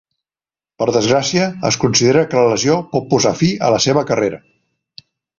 Per desgràcia, es considera que la lesió pot posar fi a la seva carrera.